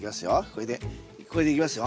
これでこれでいきますよ。